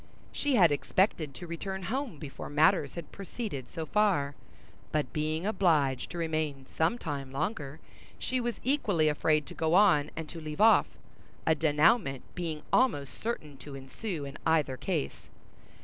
She had expected to return home before matters had proceeded so far, but being obliged to remain some time longer, she was equally afraid to go on and to leave off, a dénouement being almost certain to ensue in either case.